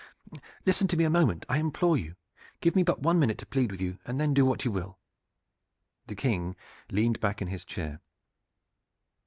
"Listen to me a moment, I implore you! Give me but one minute to plead with you, and then do what you will." The King leaned back in his chair.